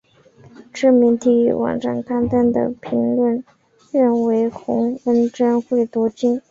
知名体育网站刊登的评论认为洪恩贞会夺金。